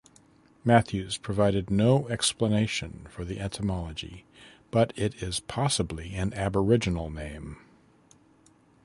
Matthews provided no explanation for the etymology but it is possibly an aboriginal name.